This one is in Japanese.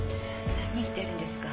何言ってるんですか？